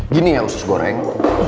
gini ya usus goreng